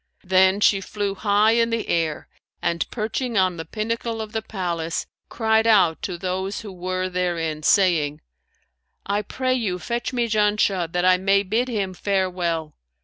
Then she flew high in air and perching on the pinnacle of the palace, cried out to those who were therein, saying, 'I pray you fetch me Janshah, that I may bid him farewell.'